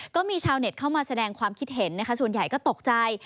ก็มีชาวเน็ตเข้ามาแสดงความคิดเห็นนะคะส่วนใหญ่ก็ตกใจ